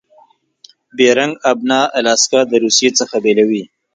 بیرنګ آبنا الاسکا د روسي څخه بیلوي.